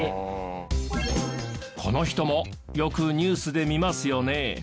この人もよくニュースで見ますよね？